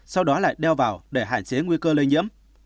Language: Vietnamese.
sau đó lại đeo vào để hạn chế nguy cơ lây nhiễm